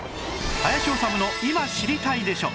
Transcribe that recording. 『林修の今知りたいでしょ！』